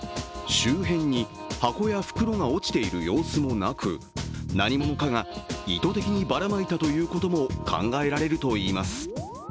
周辺に箱や袋が落ちている様子もなく何者かが意図的にばらまいたということも考えられるといいます。